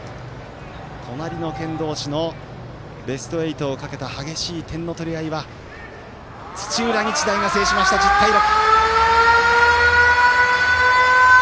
隣の県同士のベスト８をかけた激しい点の取り合いは土浦日大が制しました、１０対６。